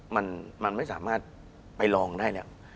มันไม่สามารถไปลองได้แล้ว